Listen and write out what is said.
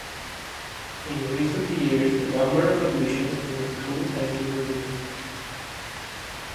In recent years the number of admissions to the school has been reduced.